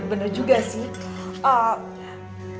bener juga sih